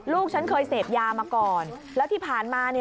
ฉันเคยเสพยามาก่อนแล้วที่ผ่านมา